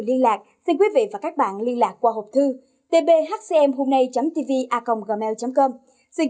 liên lạc xin quý vị và các bạn liên lạc qua hộp thư tbhcm hôm nay chấm tivi a gom gmail com xin